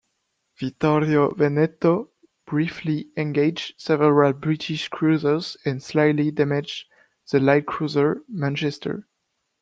"Vittorio Veneto" briefly engaged several British cruisers and slightly damaged the light cruiser "Manchester".